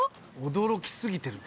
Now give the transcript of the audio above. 驚き過ぎてる。